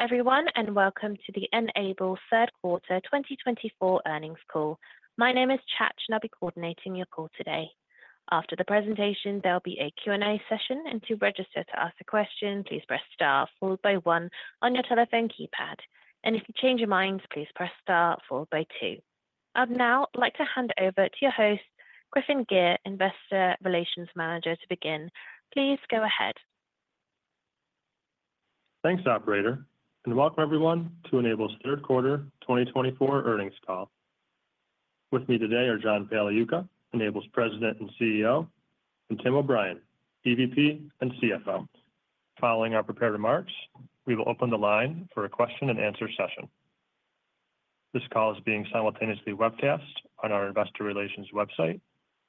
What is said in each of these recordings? Hello everyone, and welcome to the Q4 Q3 2024 earnings call. My name is Chat, and I'll be coordinating your call today. After the presentation, there'll be a Q&A session, and to register to ask a question, please press star followed by one on your telephone keypad, and if you change your mind, please press star followed by two. I'd now like to hand over to your host, Griffin Gyr, Investor Relations Manager, to begin. Please go ahead. Thanks, Operator, and welcome everyone to Q4's Q3 2024 earnings call. With me today are John Pagliuca, N-able's President and CEO, and Tim O'Brien, EVP and CFO. Following our prepared remarks, we will open the line for a question and answer session. This call is being simultaneously webcast on our Investor Relations website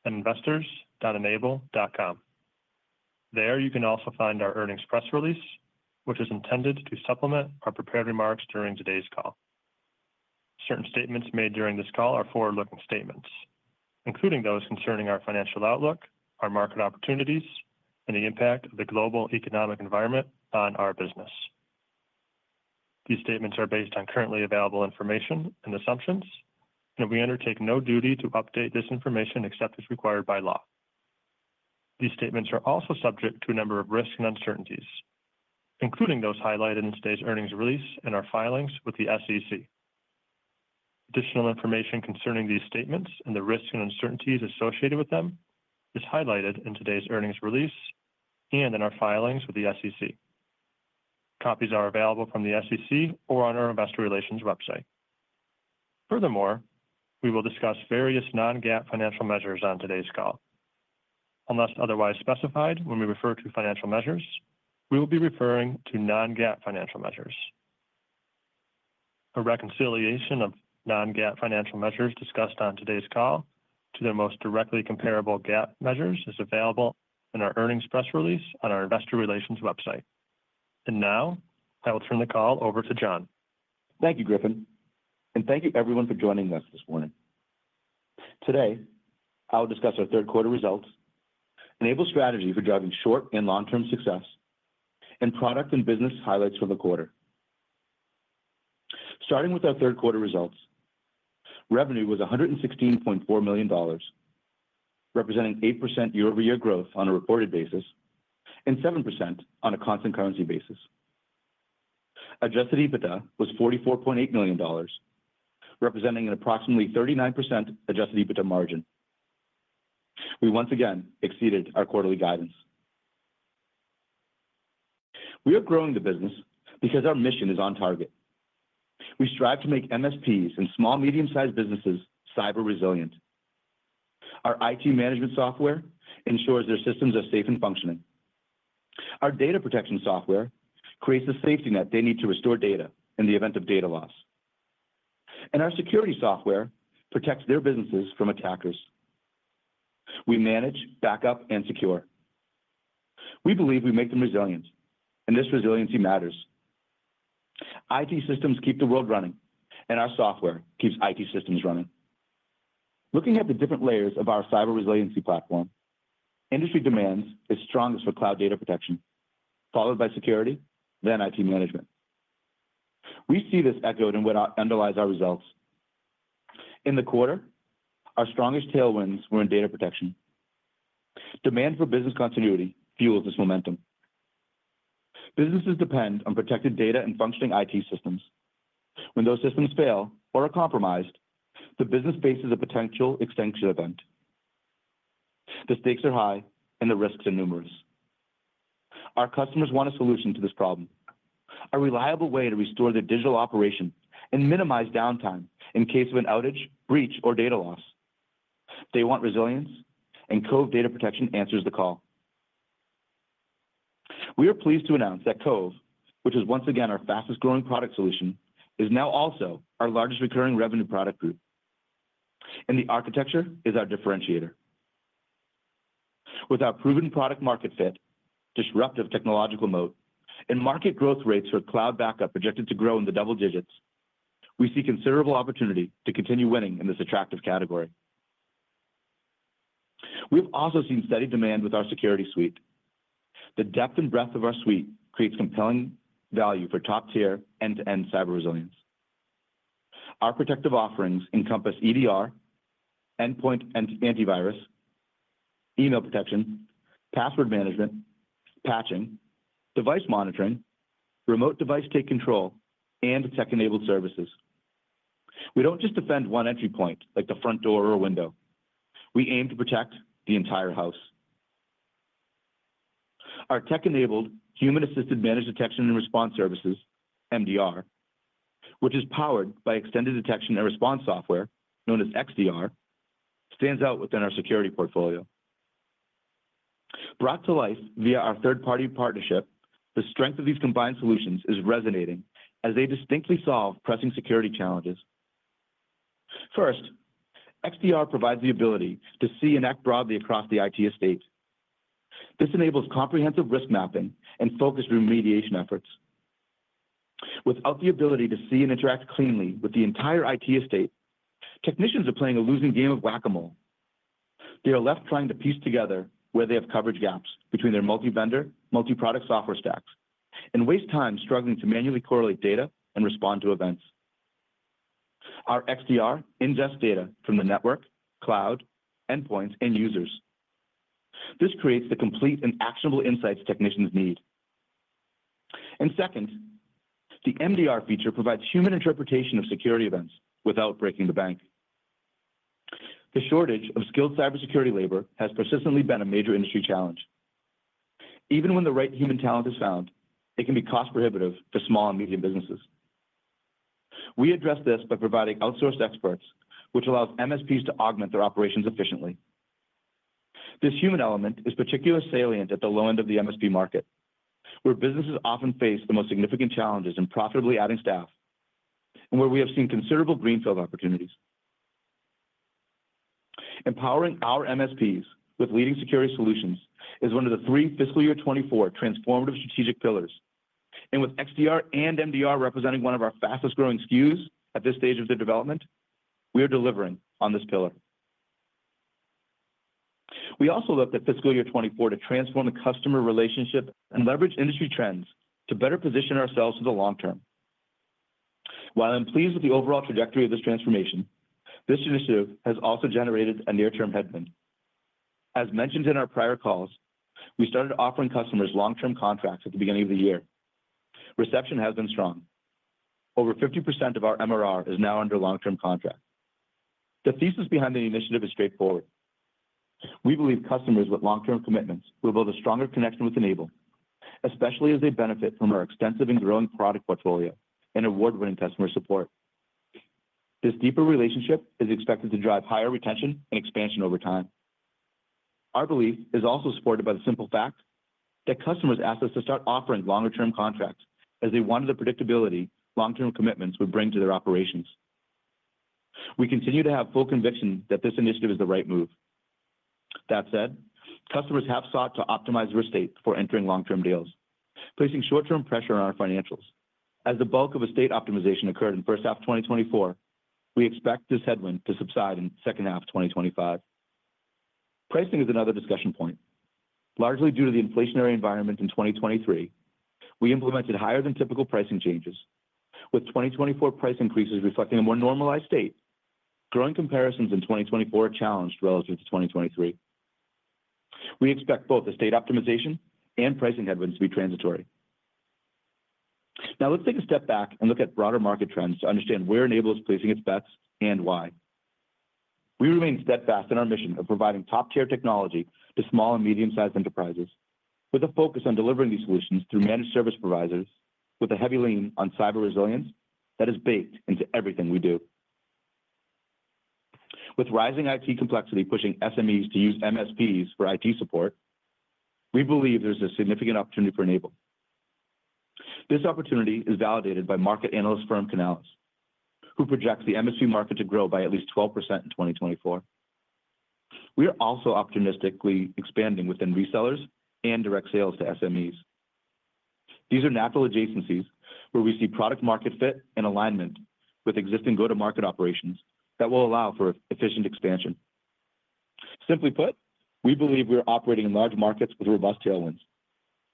and investors.nable.com. There you can also find our earnings press release, which is intended to supplement our prepared remarks during today's call. Certain statements made during this call are forward-looking statements, including those concerning our financial outlook, our market opportunities, and the impact of the global economic environment on our business. These statements are based on currently available information and assumptions, and we undertake no duty to update this information except as required by law. These statements are also subject to a number of risks and uncertainties, including those highlighted in today's earnings release and our filings with the SEC. Additional information concerning these statements and the risks and uncertainties associated with them is highlighted in today's earnings release and in our filings with the SEC. Copies are available from the SEC or on our Investor Relations website. Furthermore, we will discuss various non-GAAP financial measures on today's call. Unless otherwise specified when we refer to financial measures, we will be referring to non-GAAP financial measures. A reconciliation of non-GAAP financial measures discussed on today's call to their most directly comparable GAAP measures is available in our earnings press release on our Investor Relations website. And now I will turn the call over to John. Thank you, Griffin, and thank you everyone for joining us this morning. Today I'll discuss our Q3 results, N-able's strategy for driving short and long-term success, and product and business highlights for the quarter. Starting with our Q3 results, revenue was $116.4 million, representing 8% year-over-year growth on a reported basis and 7% on a constant currency basis. Adjusted EBITDA was $44.8 million, representing an approximately 39% adjusted EBITDA margin. We once again exceeded our quarterly guidance. We are growing the business because our mission is on target. We strive to make MSPs and small-medium-sized businesses cyber resilient. Our IT management software ensures their systems are safe and functioning. Our data protection software creates the safety net they need to restore data in the event of data loss. And our security software protects their businesses from attackers. We manage, back up, and secure. We believe we make them resilient, and this resiliency matters. IT systems keep the world running, and our software keeps IT systems running. Looking at the different layers of our cyber resiliency platform, industry demands is strongest for cloud data protection, followed by security, then IT management. We see this echoed in what underlies our results. In the quarter, our strongest tailwinds were in data protection. Demand for business continuity fuels this momentum. Businesses depend on protected data and functioning IT systems. When those systems fail or are compromised, the business faces a potential extinction event. The stakes are high, and the risks are numerous. Our customers want a solution to this problem, a reliable way to restore their digital operation and minimize downtime in case of an outage, breach, or data loss. They want resilience, and Cove Data Protection answers the call. We are pleased to announce that Cove, which is once again our fastest-growing product solution, is now also our largest recurring revenue product group, and the architecture is our differentiator. With our proven product-market fit, disruptive technological moat, and market growth rates for cloud backup projected to grow in the double digits, we see considerable opportunity to continue winning in this attractive category. We've also seen steady demand with our security suite. The depth and breadth of our suite creates compelling value for top-tier end-to-end cyber resilience. Our protective offerings encompass EDR, endpoint antivirus, email protection, password management, patching, device monitoring, remote device take control, and tech-enabled services. We don't just defend one entry point like the front door or window. We aim to protect the entire house. Our tech-enabled human-assisted managed detection and response services, MDR, which is powered by extended detection and response software known as XDR, stands out within our security portfolio. Brought to life via our third-party partnership, the strength of these combined solutions is resonating as they distinctly solve pressing security challenges. First, XDR provides the ability to see and act broadly across the IT estate. This enables comprehensive risk mapping and focused remediation efforts. Without the ability to see and interact cleanly with the entire IT estate, technicians are playing a losing game of whack-a-mole. They are left trying to piece together where they have coverage gaps between their multi-vendor, multi-product software stacks and waste time struggling to manually correlate data and respond to events. Our XDR ingests data from the network, cloud, endpoints, and users. This creates the complete and actionable insights technicians need. Second, the MDR feature provides human interpretation of security events without breaking the bank. The shortage of skilled cybersecurity labor has persistently been a major industry challenge. Even when the right human talent is found, it can be cost-prohibitive for small and medium businesses. We address this by providing outsourced experts, which allows MSPs to augment their operations efficiently. This human element is particularly salient at the low end of the MSP market, where businesses often face the most significant challenges in profitably adding staff and where we have seen considerable greenfield opportunities. Empowering our MSPs with leading security solutions is one of the three fiscal year '24 transformative strategic pillars. With XDR and MDR representing one of our fastest-growing SKUs at this stage of their development, we are delivering on this pillar. We also looked at fiscal year 2024 to transform the customer relationship and leverage industry trends to better position ourselves for the long term. While I'm pleased with the overall trajectory of this transformation, this initiative has also generated a near-term headwind. As mentioned in our prior calls, we started offering customers long-term contracts at the beginning of the year. Reception has been strong. Over 50% of our MRR is now under long-term contract. The thesis behind the initiative is straightforward. We believe customers with long-term commitments will build a stronger connection with N-able, especially as they benefit from our extensive and growing product portfolio and award-winning customer support. This deeper relationship is expected to drive higher retention and expansion over time. Our belief is also supported by the simple fact that customers asked us to start offering longer-term contracts as they wanted the predictability long-term commitments would bring to their operations. We continue to have full conviction that this initiative is the right move. That said, customers have sought to optimize their estate before entering long-term deals, placing short-term pressure on our financials. As the bulk of estate optimization occurred in first half 2024, we expect this headwind to subside in second half 2025. Pricing is another discussion point. Largely due to the inflationary environment in 2023, we implemented higher-than-typical pricing changes, with 2024 price increases reflecting a more normalized state. Growing comparisons in 2024 are challenged relative to 2023. We expect both estate optimization and pricing headwinds to be transitory. Now let's take a step back and look at broader market trends to understand where N-able is placing its bets and why. We remain steadfast in our mission of providing top-tier technology to small and medium-sized enterprises, with a focus on delivering these solutions through managed service providers with a heavy lean on cyber resilience that is baked into everything we do. With rising IT complexity pushing SMEs to use MSPs for IT support, we believe there's a significant opportunity for N-able. This opportunity is validated by market analyst firm Canalys, who projects the MSP market to grow by at least 12% in 2024. We are also opportunistically expanding within resellers and direct sales to SMEs. These are natural adjacencies where we see product-market fit and alignment with existing go-to-market operations that will allow for efficient expansion. Simply put, we believe we are operating in large markets with robust tailwinds.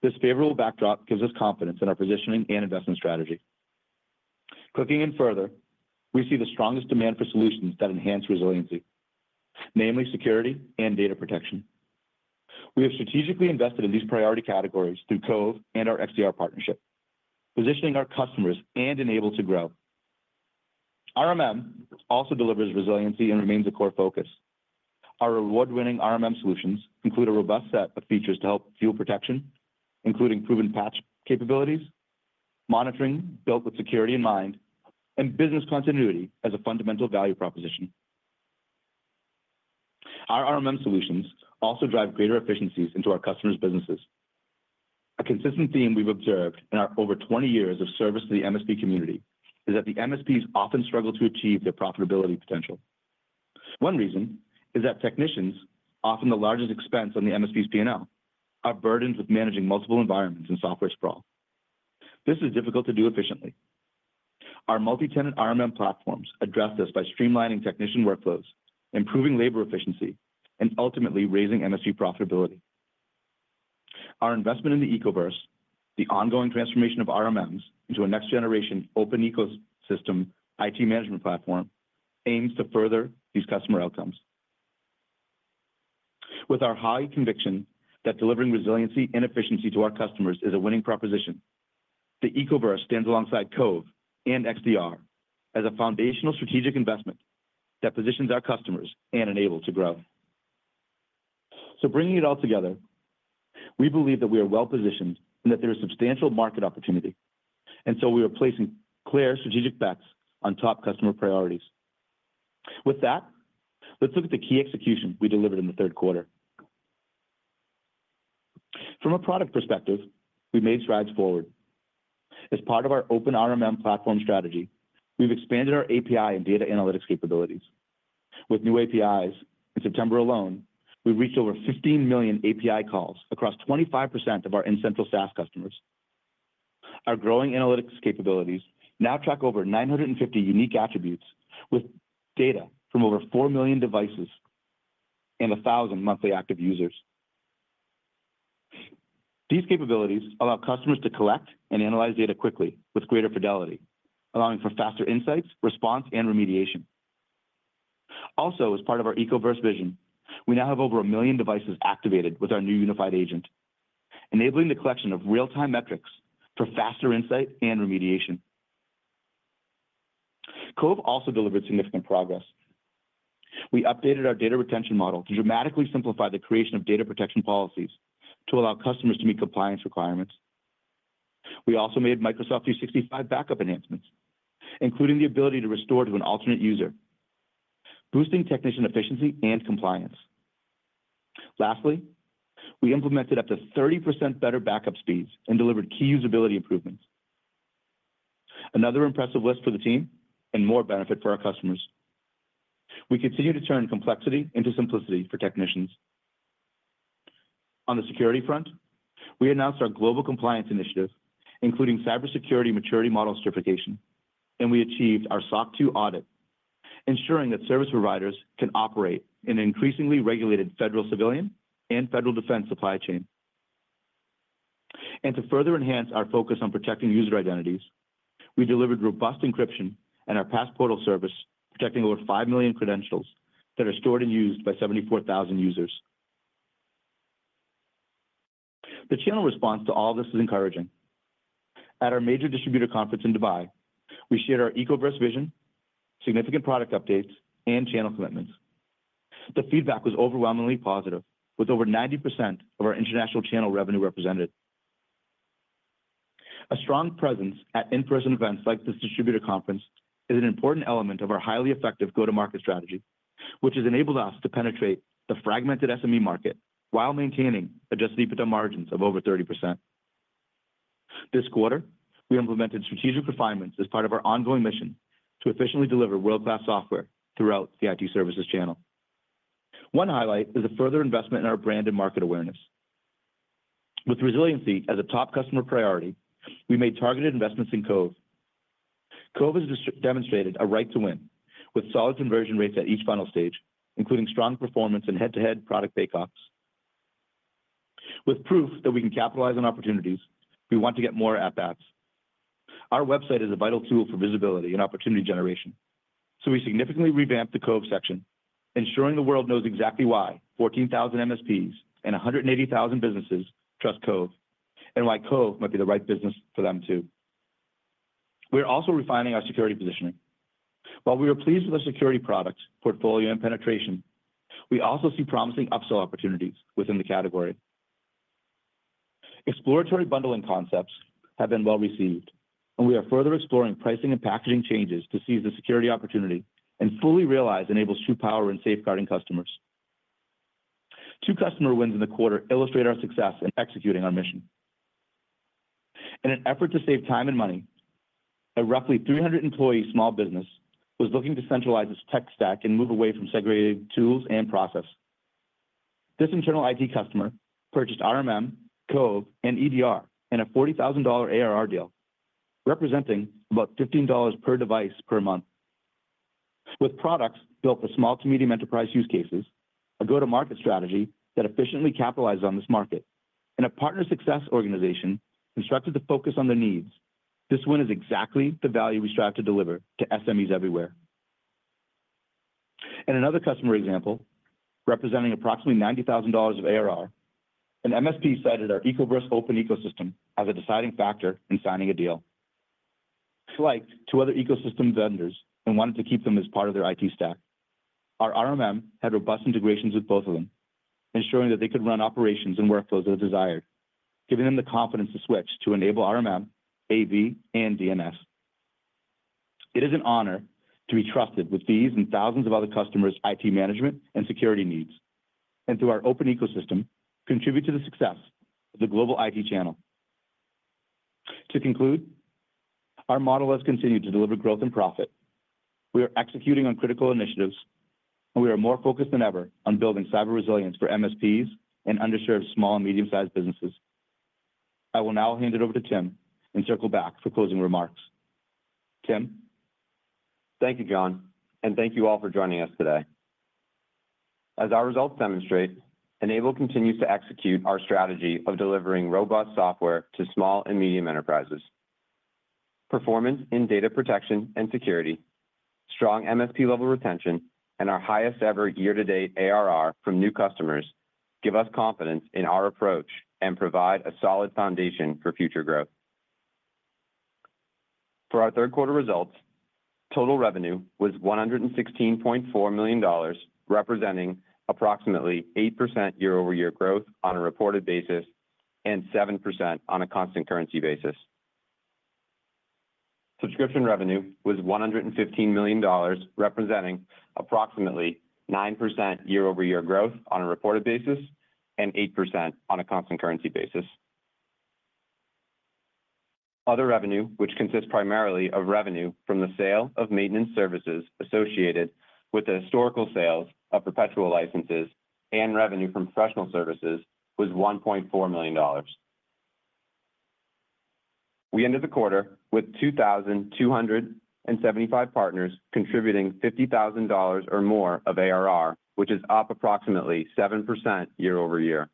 This favorable backdrop gives us confidence in our positioning and investment strategy. Clicking in further, we see the strongest demand for solutions that enhance resiliency, namely security and data protection. We have strategically invested in these priority categories through Cove and our XDR partnership, positioning our customers and N-able to grow. RMM also delivers resiliency and remains a core focus. Our award-winning RMM solutions include a robust set of features to help fuel protection, including proven patch capabilities, monitoring built with security in mind, and business continuity as a fundamental value proposition. Our RMM solutions also drive greater efficiencies into our customers' businesses. A consistent theme we've observed in our over 20 years of service to the MSP community is that the MSPs often struggle to achieve their profitability potential. One reason is that technicians, often the largest expense on the MSP's P&L, are burdened with managing multiple environments and software sprawl. This is difficult to do efficiently. Our multi-tenant RMM platforms address this by streamlining technician workflows, improving labor efficiency, and ultimately raising MSP profitability. Our investment in the Ecoverse, the ongoing transformation of RMMs into a next-generation open ecosystem IT management platform, aims to further these customer outcomes. With our high conviction that delivering resiliency and efficiency to our customers is a winning proposition, the Ecoverse stands alongside Cove and XDR as a foundational strategic investment that positions our customers and N-able to grow. So bringing it all together, we believe that we are well-positioned and that there is substantial market opportunity, and so we are placing clear strategic bets on top customer priorities. With that, let's look at the key execution we delivered in the Q3. From a product perspective, we made strides forward. As part of our open RMM platform strategy, we've expanded our API and data analytics capabilities. With new APIs, in September alone, we reached over 15 million API calls across 25% of our N-central SaaS customers. Our growing analytics capabilities now track over 950 unique attributes with data from over 4 million devices and 1,000 monthly active users. These capabilities allow customers to collect and analyze data quickly with greater fidelity, allowing for faster insights, response, and remediation. Also, as part of our Ecoverse vision, we now have over a million devices activated with our new unified agent, enabling the collection of real-time metrics for faster insight and remediation. Cove also delivered significant progress. We updated our data retention model to dramatically simplify the creation of data protection policies to allow customers to meet compliance requirements. We also made Microsoft 365 backup enhancements, including the ability to restore to an alternate user, boosting technician efficiency and compliance. Lastly, we implemented up to 30% better backup speeds and delivered key usability improvements. Another impressive list for the team and more benefit for our customers. We continue to turn complexity into simplicity for technicians. On the security front, we announced our global compliance initiative, including Cybersecurity Maturity Model Certification, and we achieved our SOC 2 audit, ensuring that service providers can operate in an increasingly regulated federal civilian and federal defense supply chain. And to further enhance our focus on protecting user identities, we delivered robust encryption and our Passportal service, protecting over 5 million credentials that are stored and used by 74,000 users. The channel response to all of this is encouraging. At our major distributor conference in Dubai, we shared our Ecoverse vision, significant product updates, and channel commitments. The feedback was overwhelmingly positive, with over 90% of our international channel revenue represented. A strong presence at in-person events like this distributor conference is an important element of our highly effective go-to-market strategy, which has enabled us to penetrate the fragmented SME market while maintaining Adjusted EBITDA margins of over 30%. This quarter, we implemented strategic refinements as part of our ongoing mission to efficiently deliver world-class software throughout the IT services channel. One highlight is the further investment in our brand and market awareness. With resiliency as a top customer priority, we made targeted investments in Cove. Cove has demonstrated a right to win with solid conversion rates at each final stage, including strong performance and head-to-head product bake-offs. With proof that we can capitalize on opportunities, we want to get more at-bats. Our website is a vital tool for visibility and opportunity generation, so we significantly revamped the Cove section, ensuring the world knows exactly why 14,000 MSPs and 180,000 businesses trust Cove and why Cove might be the right business for them too. We are also refining our security positioning. While we are pleased with our security products, portfolio, and penetration, we also see promising upsell opportunities within the category. Exploratory bundling concepts have been well received, and we are further exploring pricing and packaging changes to seize the security opportunity and fully realize N-able's true power in safeguarding customers. Two customer wins in the quarter illustrate our success in executing our mission. In an effort to save time and money, a roughly 300-employee small business was looking to centralize its tech stack and move away from segregated tools and processes. This internal IT customer purchased RMM, Cove, and EDR in a $40,000 ARR deal, representing about $15 per device per month. With products built for small to medium enterprise use cases, a go-to-market strategy that efficiently capitalized on this market, and a partner success organization instructed to focus on their needs, this win is exactly the value we strive to deliver to SMEs everywhere. In another customer example, representing approximately $90,000 of ARR, an MSP cited our Ecoverse open ecosystem as a deciding factor in signing a deal. We liked two other ecosystem vendors and wanted to keep them as part of their IT stack. Our RMM had robust integrations with both of them, ensuring that they could run operations and workflows as desired, giving them the confidence to switch to enable RMM, AV, and DNS. It is an honor to be trusted with these and thousands of other customers' IT management and security needs, and through our open ecosystem, contribute to the success of the global IT channel. To conclude, our model has continued to deliver growth and profit. We are executing on critical initiatives, and we are more focused than ever on building cyber resilience for MSPs and underserved small and medium-sized businesses. I will now hand it over to Tim and circle back for closing remarks. Tim. Thank you, John, and thank you all for joining us today. As our results demonstrate, N-able continues to execute our strategy of delivering robust software to small and medium enterprises. Performance in data protection and security, strong MSP-level retention, and our highest-ever year-to-date ARR from new customers give us confidence in our approach and provide a solid foundation for future growth. For our Q3 results, total revenue was $116.4 million, representing approximately 8% year-over-year growth on a reported basis and 7% on a constant currency basis. Subscription revenue was $115 million, representing approximately 9% year-over-year growth on a reported basis and 8% on a constant currency basis. Other revenue, which consists primarily of revenue from the sale of maintenance services associated with the historical sales of perpetual licenses and revenue from professional services, was $1.4 million. We ended the quarter with 2,275 partners contributing $50,000 or more of ARR, which is up approximately 7% year-over-year.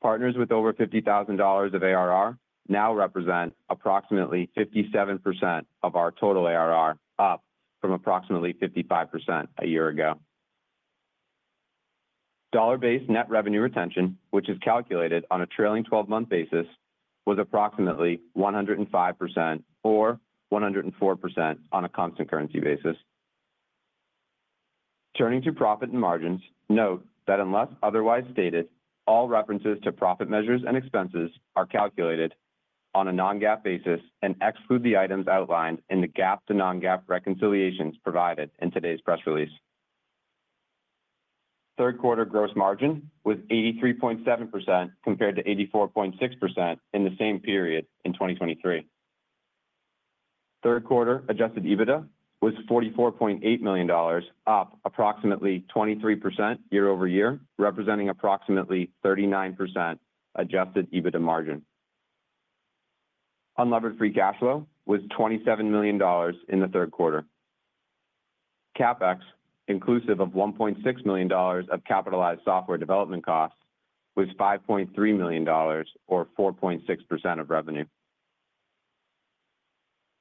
Partners with over $50,000 of ARR now represent approximately 57% of our total ARR, up from approximately 55% a year ago. Dollar-based net revenue retention, which is calculated on a trailing 12-month basis, was approximately 105% or 104% on a constant currency basis. Turning to profit and margins, note that unless otherwise stated, all references to profit measures and expenses are calculated on a non-GAAP basis and exclude the items outlined in the GAAP-to-non-GAAP reconciliations provided in today's press release. Q3 gross margin was 83.7% compared to 84.6% in the same period in 2023. Q3 adjusted EBITDA was $44.8 million, up approximately 23% year-over-year, representing approximately 39% adjusted EBITDA margin. Unlevered free cash flow was $27 million in the Q3. CapEx, inclusive of $1.6 million of capitalized software development costs, was $5.3 million or 4.6% of revenue.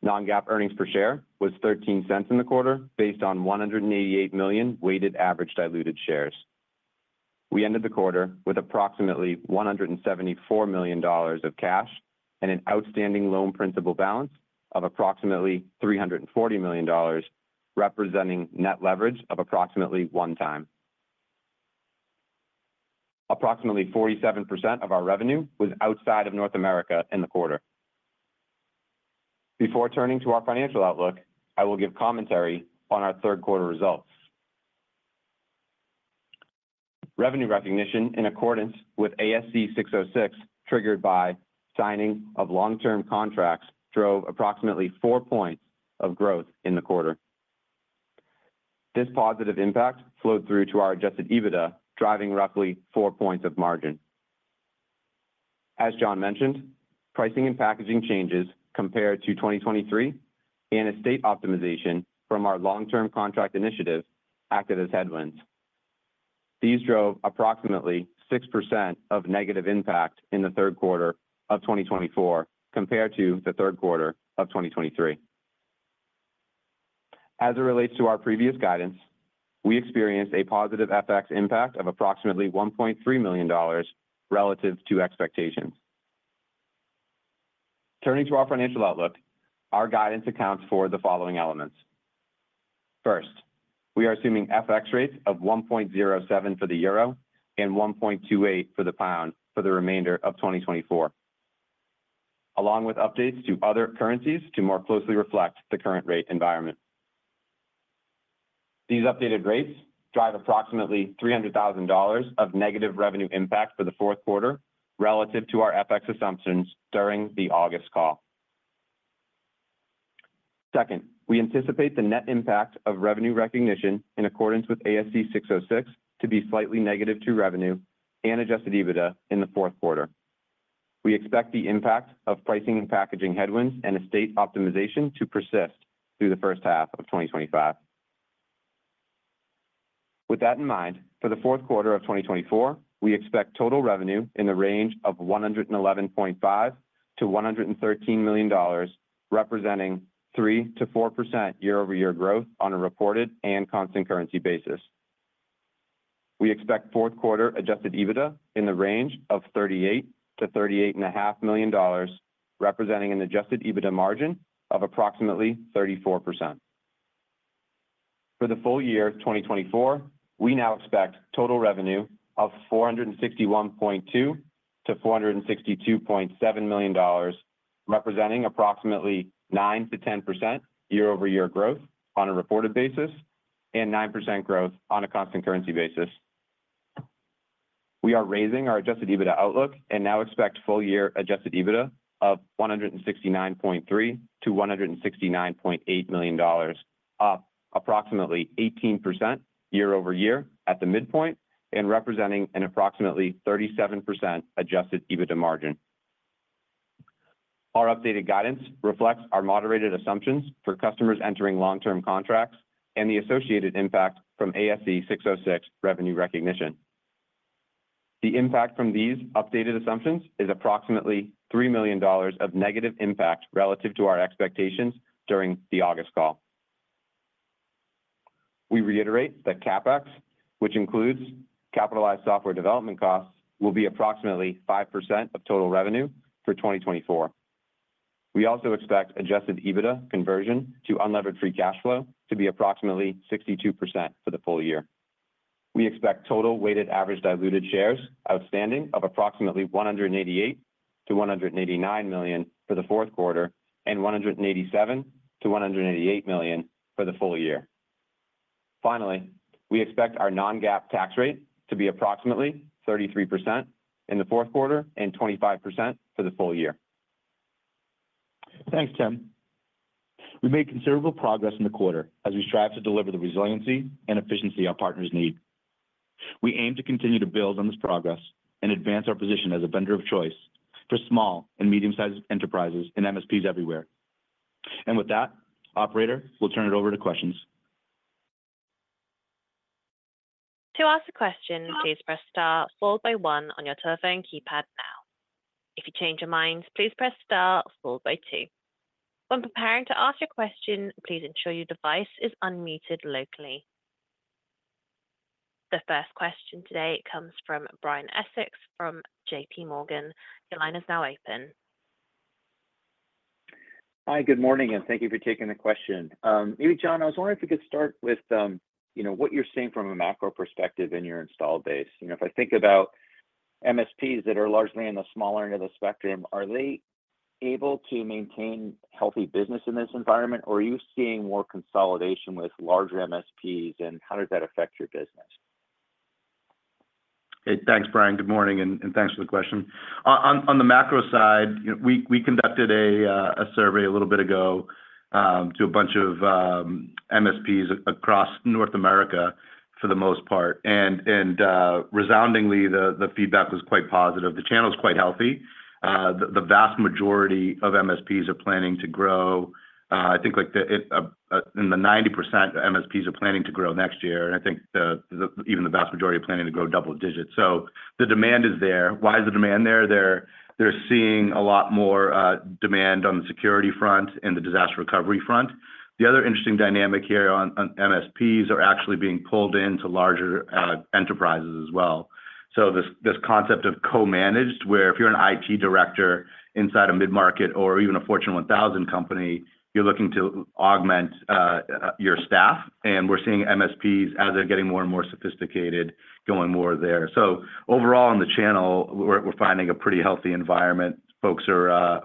Non-GAAP earnings per share was $0.13 in the quarter based on 188 million weighted average diluted shares. We ended the quarter with approximately $174 million of cash and an outstanding loan principal balance of approximately $340 million, representing net leverage of approximately one time. Approximately 47% of our revenue was outside of North America in the quarter. Before turning to our financial outlook, I will give commentary on our Q3 results. Revenue recognition in accordance with ASC 606 triggered by signing of long-term contracts drove approximately 4 points of growth in the quarter. This positive impact flowed through to our Adjusted EBITDA, driving roughly 4 points of margin. As John mentioned, pricing and packaging changes compared to 2023 and seat optimization from our long-term contract initiative acted as headwinds. These drove approximately 6% of negative impact in the Q3 of 2024 compared to the Q3 of 2023. As it relates to our previous guidance, we experienced a positive FX impact of approximately $1.3 million relative to expectations. Turning to our financial outlook, our guidance accounts for the following elements. First, we are assuming FX rates of 1.07 for the euro and 1.28 for the pound for the remainder of 2024, along with updates to other currencies to more closely reflect the current rate environment. These updated rates drive approximately $300,000 of negative revenue impact for the Q4 relative to our FX assumptions during the August call. Second, we anticipate the net impact of revenue recognition in accordance with ASC 606 to be slightly negative to revenue and Adjusted EBITDA in the Q4. We expect the impact of pricing and packaging headwinds and estate optimization to persist through the first half of 2025. With that in mind, for the Q4 of 2024, we expect total revenue in the range of $111.5-$113 million, representing 3%-4% year-over-year growth on a reported and constant currency basis. We expect Q4 adjusted EBITDA in the range of $38-$38.5 million, representing an adjusted EBITDA margin of approximately 34%. For the full year of 2024, we now expect total revenue of $461.2-$462.7 million, representing approximately 9%-10% year-over-year growth on a reported basis and 9% growth on a constant currency basis. We are raising our adjusted EBITDA outlook and now expect full-year adjusted EBITDA of $169.3-$169.8 million, up approximately 18% year-over-year at the midpoint and representing an approximately 37% adjusted EBITDA margin. Our updated guidance reflects our moderated assumptions for customers entering long-term contracts and the associated impact from ASC 606 revenue recognition. The impact from these updated assumptions is approximately $3 million of negative impact relative to our expectations during the August call. We reiterate that CapEx, which includes capitalized software development costs, will be approximately 5% of total revenue for 2024. We also expect adjusted EBITDA conversion to unlevered free cash flow to be approximately 62% for the full year. We expect total weighted average diluted shares outstanding of approximately $188-$189 million for the Q4 and $187-$188 million for the full year. Finally, we expect our non-GAAP tax rate to be approximately 33% in the Q4 and 25% for the full year. Thanks, Tim. We made considerable progress in the quarter as we strive to deliver the resiliency and efficiency our partners need. We aim to continue to build on this progress and advance our position as a vendor of choice for small and medium-sized enterprises and MSPs everywhere. And with that, Operator, we'll turn it over to questions. To ask a question, please press Star followed by 1 on your telephone keypad now. If you change your mind, please press Star followed by 2. When preparing to ask your question, please ensure your device is unmuted locally. The first question today comes from Brian Essex from JP Morgan. Your line is now open. Hi, good morning, and thank you for taking the question. Maybe, John, I was wondering if we could start with what you're seeing from a macro perspective in your installed base. If I think about MSPs that are largely in the smaller end of the spectrum, are they able to maintain healthy business in this environment, or are you seeing more consolidation with larger MSPs, and how does that affect your business? Hey, thanks, Brian. Good morning, and thanks for the question. On the macro side, we conducted a survey a little bit ago to a bunch of MSPs across North America for the most part, and resoundingly, the feedback was quite positive. The channel is quite healthy. The vast majority of MSPs are planning to grow. I think in the 90%, MSPs are planning to grow next year, and I think even the vast majority are planning to grow double digits. So the demand is there. Why is the demand there? They're seeing a lot more demand on the security front and the disaster recovery front. The other interesting dynamic here on MSPs are actually being pulled into larger enterprises as well. So this concept of co-managed, where if you're an IT director inside a mid-market or even a Fortune 1000 company, you're looking to augment your staff, and we're seeing MSPs as they're getting more and more sophisticated, going more there. So overall, in the channel, we're finding a pretty healthy environment. Folks are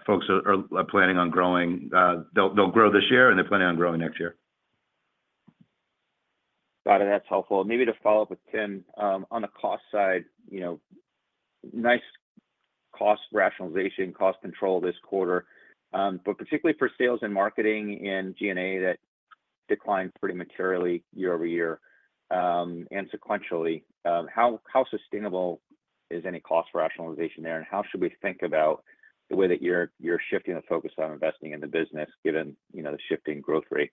planning on growing. They'll grow this year, and they're planning on growing next year. Got it. That's helpful. Maybe to follow up with Tim, on the cost side, nice cost rationalization, cost control this quarter, but particularly for sales and marketing and G&A that declined pretty materially year over year and sequentially. How sustainable is any cost rationalization there, and how should we think about the way that you're shifting the focus on investing in the business given the shifting growth rate?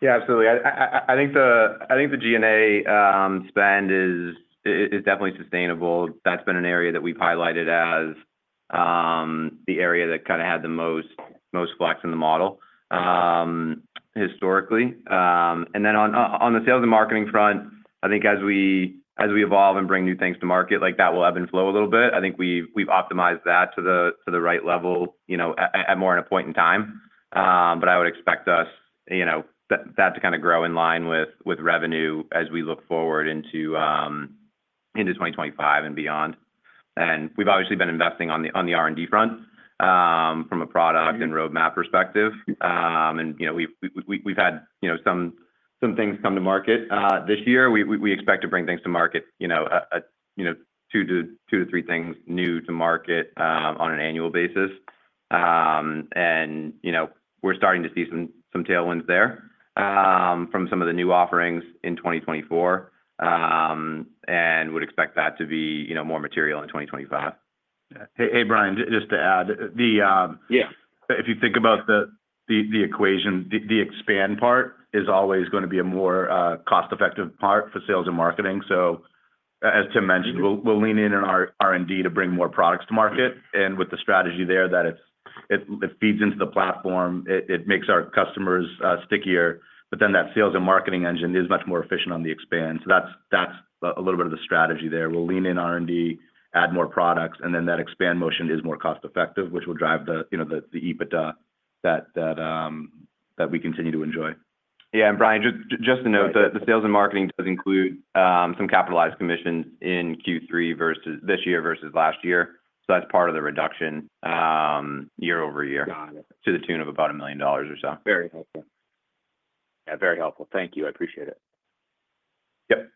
Yeah, absolutely. I think the G&A spend is definitely sustainable. That's been an area that we've highlighted as the area that kind of had the most flex in the model historically. And then on the sales and marketing front, I think as we evolve and bring new things to market, that will ebb and flow a little bit. I think we've optimized that to the right level at more than a point in time, but I would expect that to kind of grow in line with revenue as we look forward into 2025 and beyond. And we've obviously been investing on the R&D front from a product and roadmap perspective, and we've had some things come to market this year. We expect to bring things to market, two to three things new to market on an annual basis, and we're starting to see some tailwinds there from some of the new offerings in 2024 and would expect that to be more material in 2025. Hey, Brian, just to add, if you think about the equation, the expand part is always going to be a more cost-effective part for sales and marketing. As Tim mentioned, we'll lean in on our R&D to bring more products to market, and with the strategy there that it feeds into the platform, it makes our customers stickier, but then that sales and marketing engine is much more efficient on the expand. That's a little bit of the strategy there. We'll lean in R&D, add more products, and then that expand motion is more cost-effective, which will drive the EBITDA that we continue to enjoy. Yeah. And Brian, just to note, the sales and marketing does include some capitalized commissions in Q3 this year versus last year. So that's part of the reduction year over year to the tune of about $1 million or so. Very helpful. Yeah, very helpful. Thank you. I appreciate it. Yep.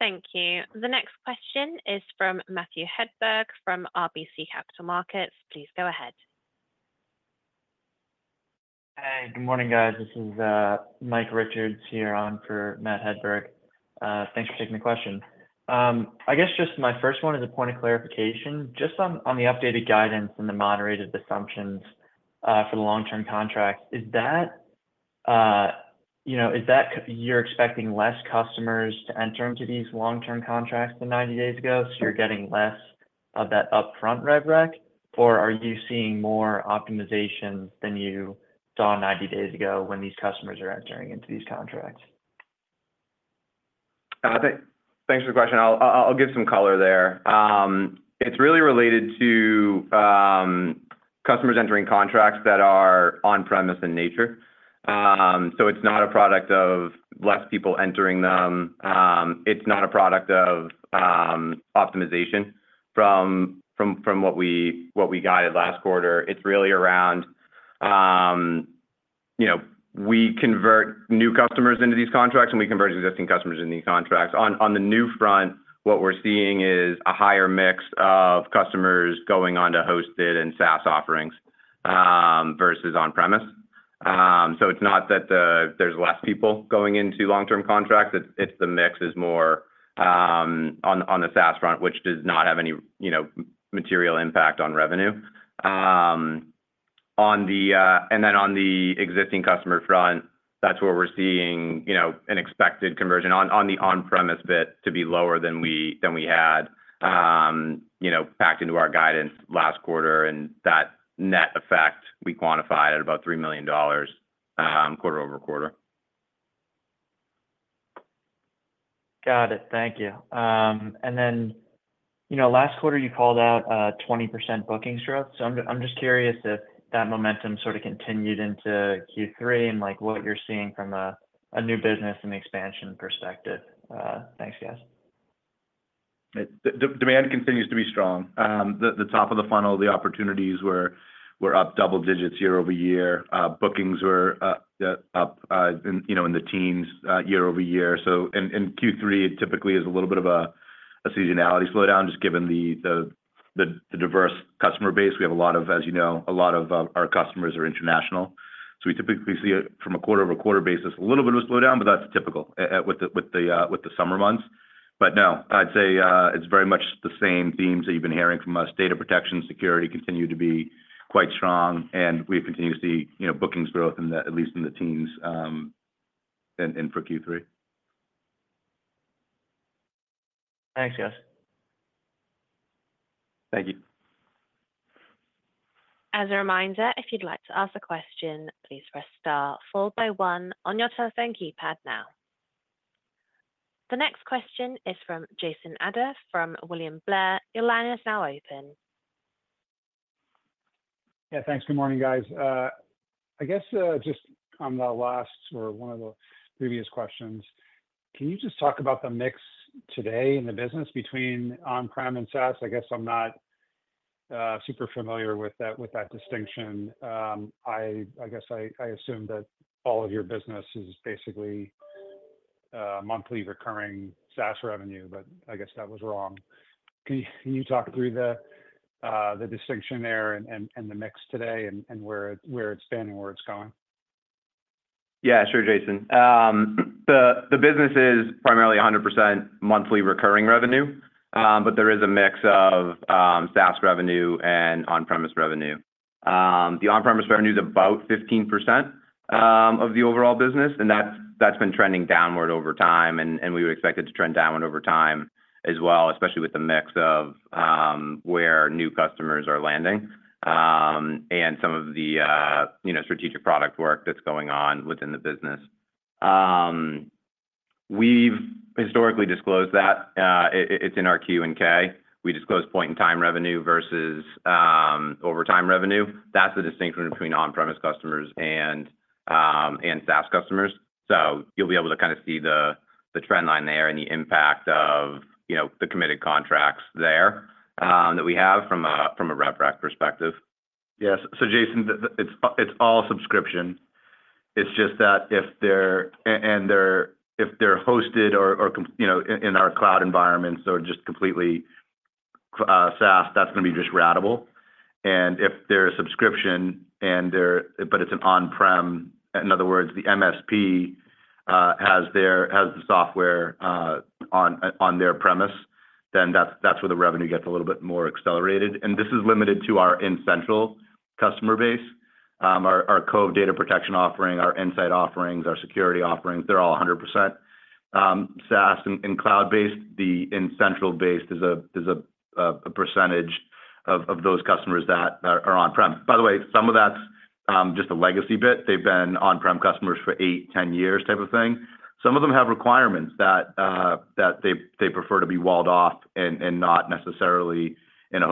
Thank you. The next question is from Matthew Hedberg from RBC Capital Markets. Please go ahead. Hey, good morning, guys. This is Mike Richards here on for Matt Hedberg. Thanks for taking the question. I guess just my first one is a point of clarification. Just on the updated guidance and the moderated assumptions for the long-term contracts, is that you're expecting less customers to enter into these long-term contracts than 90 days ago, so you're getting less of that upfront ARR rec, or are you seeing more optimizations than you saw 90 days ago when these customers are entering into these contracts? Thanks for the question. I'll give some color there. It's really related to customers entering contracts that are on-premise in nature. So it's not a product of less people entering them. It's not a product of optimization from what we guided last quarter. It's really around we convert new customers into these contracts, and we convert existing customers into these contracts. On the new front, what we're seeing is a higher mix of customers going on to hosted and SaaS offerings versus on-premise. So it's not that there's less people going into long-term contracts. It's the mix is more on the SaaS front, which does not have any material impact on revenue. And then on the existing customer front, that's where we're seeing an expected conversion on the on-premise bit to be lower than we had packed into our guidance last quarter, and that net effect we quantified at about $3 million quarter over quarter. Got it. Thank you. And then last quarter, you called out 20% bookings growth. So I'm just curious if that momentum sort of continued into Q3 and what you're seeing from a new business and expansion perspective. Thanks, guys. Demand continues to be strong. The top of the funnel, the opportunities were up double digits year over year. Bookings were up in the teens year over year. So in Q3, it typically is a little bit of a seasonality slowdown just given the diverse customer base. We have a lot of, as you know, a lot of our customers are international. So we typically see it from a quarter-over-quarter basis, a little bit of a slowdown, but that's typical with the summer months. But no, I'd say it's very much the same themes that you've been hearing from us. Data protection, security continue to be quite strong, and we continue to see bookings growth, at least in the teens and for Q3. Thanks, guys. Thank you. As a reminder, if you'd like to ask a question, please press Star followed by 1 on your telephone keypad now. The next question is from Jason Ader from William Blair. Your line is now open. Yeah. Thanks. Good morning, guys. I guess just on the last or one of the previous questions, can you just talk about the mix today in the business between on-prem and SaaS? I guess I'm not super familiar with that distinction. I guess I assume that all of your business is basically monthly recurring SaaS revenue, but I guess that was wrong. Can you talk through the distinction there and the mix today and where it's been and where it's going? Yeah, sure, Jason. The business is primarily 100% monthly recurring revenue, but there is a mix of SaaS revenue and on-premise revenue. The on-premise revenue is about 15% of the overall business, and that's been trending downward over time, and we would expect it to trend downward over time as well, especially with the mix of where new customers are landing and some of the strategic product work that's going on within the business. We've historically disclosed that. It's in our Q and K. We disclose point-in-time revenue versus over time revenue. That's the distinction between on-premise customers and SaaS customers. So you'll be able to kind of see the trend line there and the impact of the committed contracts there that we have from a rev rec perspective. Yes. So Jason, it's all subscription. It's just that if they're hosted or in our cloud environments or just completely SaaS, that's going to be just ratable. And if they're a subscription, but it's an on-prem, in other words, the MSP has the software on their premises, then that's where the revenue gets a little bit more accelerated. And this is limited to our N-central customer base. Our Cove Data Protection offering, our N-sight offerings, our security offerings, they're all 100% SaaS and cloud-based. The N-central-based is a percentage of those customers that are on-prem. By the way, some of that's just a legacy bit. They've been on-prem customers for eight, 10 years type of thing. Some of them have requirements that they prefer to be walled off and not necessarily in a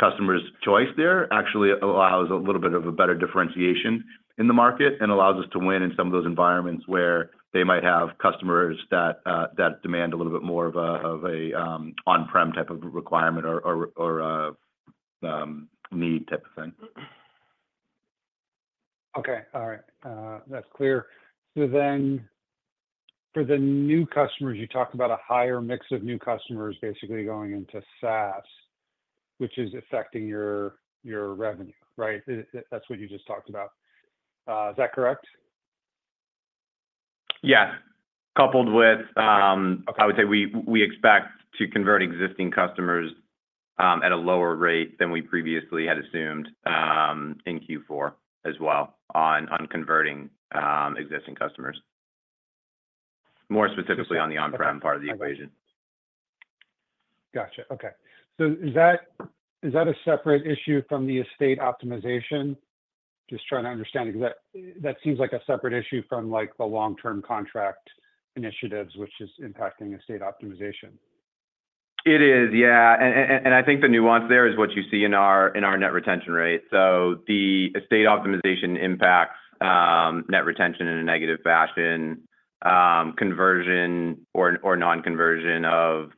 hosted environment, and where I believe the fact that we're giving customers choice there actually allows a little bit of a better differentiation in the market and allows us to win in some of those environments where they might have customers that demand a little bit more of an on-prem type of requirement or need type of thing. Okay. All right. That's clear, so then for the new customers, you talked about a higher mix of new customers basically going into SaaS, which is affecting your revenue, right? That's what you just talked about. Is that correct? Yeah. Coupled with, I would say, we expect to convert existing customers at a lower rate than we previously had assumed in Q4 as well on converting existing customers, more specifically on the on-prem part of the equation. Gotcha. Okay. So is that a separate issue from the estate optimization? Just trying to understand because that seems like a separate issue from the long-term contract initiatives, which is impacting estate optimization. It is, yeah. And I think the nuance there is what you see in our net retention rate. So the estate optimization impacts net retention in a negative fashion. Conversion or non-conversion of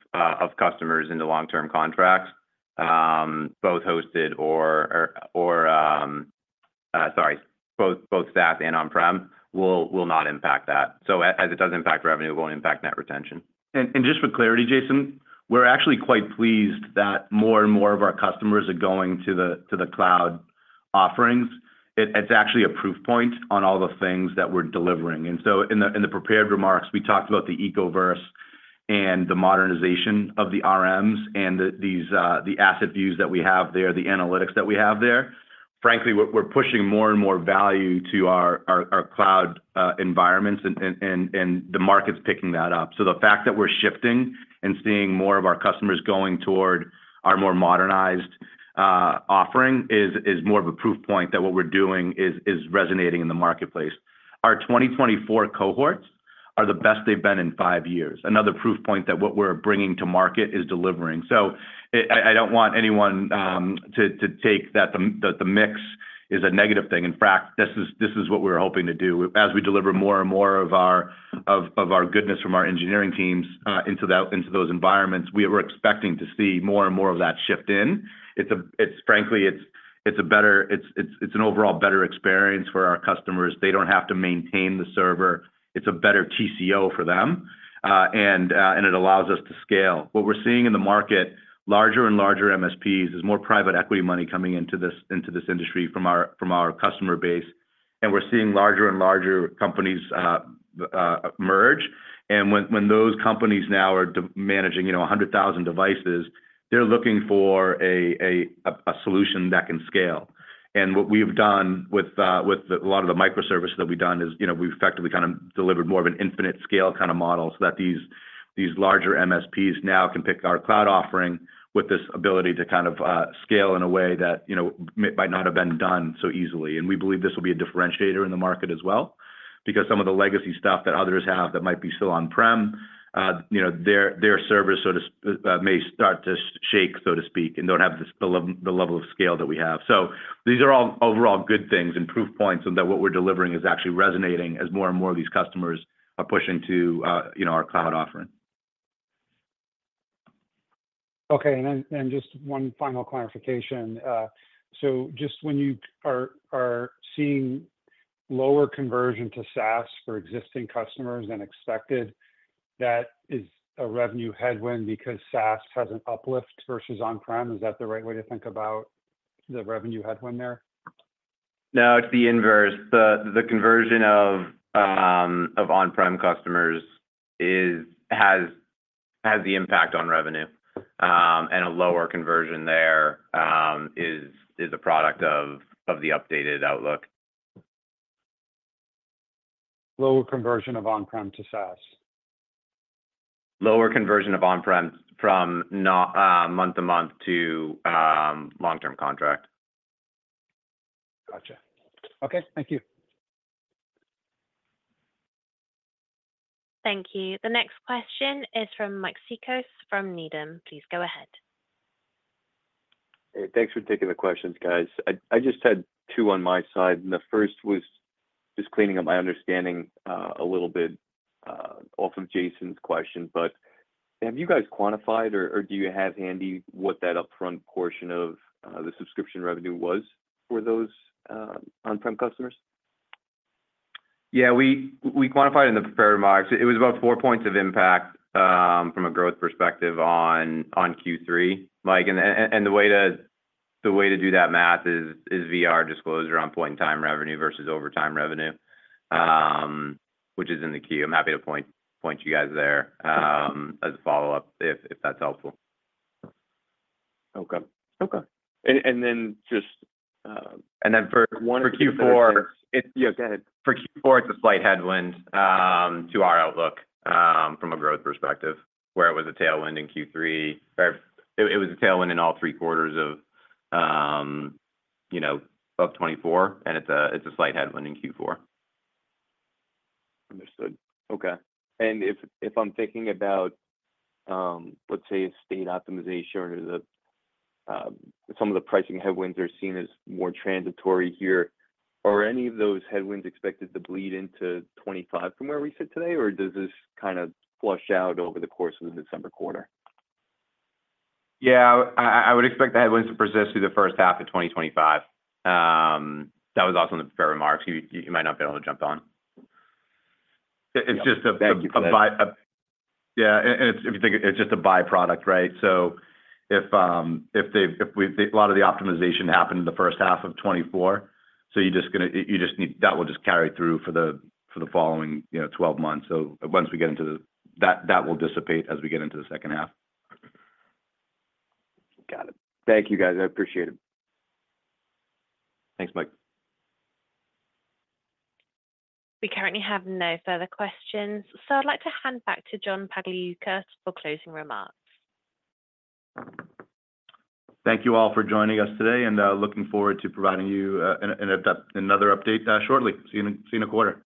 customers into long-term contracts, both hosted or, sorry, both SaaS and on-prem will not impact that. So as it does impact revenue, it won't impact net retention. Just for clarity, Jason, we're actually quite pleased that more and more of our customers are going to the cloud offerings. It's actually a proof point on all the things that we're delivering. In the prepared remarks, we talked about the Ecoverse and the modernization of the RMMs and the asset views that we have there, the analytics that we have there. Frankly, we're pushing more and more value to our cloud environments, and the market's picking that up. The fact that we're shifting and seeing more of our customers going toward our more modernized offering is more of a proof point that what we're doing is resonating in the marketplace. Our 2024 cohorts are the best they've been in five years. Another proof point that what we're bringing to market is delivering. So I don't want anyone to take that the mix is a negative thing. In fact, this is what we're hoping to do. As we deliver more and more of our goodness from our engineering teams into those environments, we're expecting to see more and more of that shift in. Frankly, it's an overall better experience for our customers. They don't have to maintain the server. It's a better TCO for them, and it allows us to scale. What we're seeing in the market, larger and larger MSPs, is more private equity money coming into this industry from our customer base. And we're seeing larger and larger companies merge. And when those companies now are managing 100,000 devices, they're looking for a solution that can scale. What we've done with a lot of the microservices that we've done is we've effectively kind of delivered more of an infinite scale kind of model so that these larger MSPs now can pick our cloud offering with this ability to kind of scale in a way that might not have been done so easily. We believe this will be a differentiator in the market as well because some of the legacy stuff that others have that might be still on-prem, their service may start to shake, so to speak, and don't have the level of scale that we have. These are all overall good things and proof points on that what we're delivering is actually resonating as more and more of these customers are pushing to our cloud offering. Okay. Then just one final clarification. So just when you are seeing lower conversion to SaaS for existing customers than expected, that is a revenue headwind because SaaS has an uplift versus on-prem. Is that the right way to think about the revenue headwind there? No, it's the inverse. The conversion of on-prem customers has the impact on revenue, and a lower conversion there is a product of the updated outlook. Lower conversion of on-prem to SaaS? Lower conversion of on-prem from month-to-month to long-term contract. Gotcha. Okay. Thank you. Thank you. The next question is from Mike Cikos from Needham. Please go ahead. Thanks for taking the questions, guys. I just had two on my side. And the first was just cleaning up my understanding a little bit off of Jason's question. But have you guys quantified, or do you have handy what that upfront portion of the subscription revenue was for those on-prem customers? Yeah. We quantified in the prepared remarks. It was about four points of impact from a growth perspective on Q3. And the way to do that math is via our disclosure on point-in-time revenue versus over time revenue, which is in the 10-Q. I'm happy to point you guys there as a follow-up if that's helpful. And then for Q4. Yeah, go ahead. For Q4, it's a slight headwind to our outlook from a growth perspective, where it was a tailwind in Q3. It was a tailwind in all three quarters of 2024, and it's a slight headwind in Q4. Understood. Okay. And if I'm thinking about, let's say, estate optimization or some of the pricing headwinds are seen as more transitory here, are any of those headwinds expected to bleed into 2025 from where we sit today, or does this kind of flush out over the course of the December quarter? Yeah. I would expect the headwinds to persist through the first half of 2025. That was also in the prepared remarks. You might not be able to jump on. Thank you for that. Yeah. And it's just a byproduct, right? So if a lot of the optimization happened in the first half of 2024, so you just need that will just carry through for the following 12 months. So once we get into the that will dissipate as we get into the second half. Got it. Thank you, guys. I appreciate it. Thanks, Mike. We currently have no further questions. So I'd like to hand back to John Pagliuca for closing remarks. Thank you all for joining us today, and looking forward to providing you another update shortly. See you in a quarter.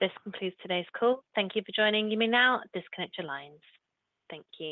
This concludes today's call. Thank you for joining me now. Disconnect your lines. Thank you.